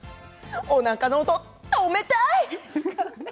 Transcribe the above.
おなかの音止めたい。